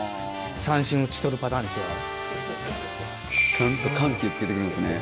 ちゃんと緩急つけてくるんですね。